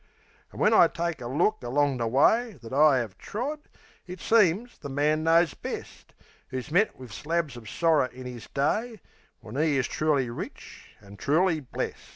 An' when I take a look along the way That I 'ave trod, it seems the man knows best, Who's met wiv slabs of sorrer in 'is day, When 'e is truly rich an' truly blest.